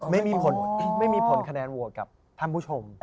ไม่มีผลไม่มีผลคะแนนโหวตกับท่านผู้ชม